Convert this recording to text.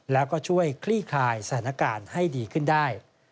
แล้วก็ช่วยคลี่คลายสถานการณ์ให้ดีขึ้นได้